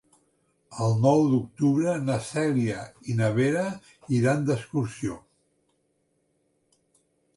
El nou d'octubre na Cèlia i na Vera iran d'excursió.